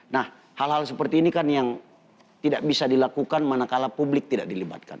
nah hal hal seperti ini kan yang tidak bisa dilakukan manakala publik tidak dilibatkan